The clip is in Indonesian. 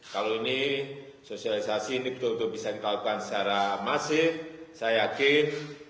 kalau ini sosialisasi ini betul betul bisa dilakukan secara masif saya yakin